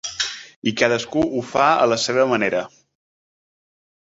I cadascú ho fa a la seua manera.